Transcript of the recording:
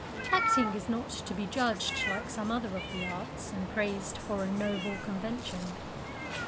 Acting is not to be judged like some other of the arts, and praised for a "noble convention."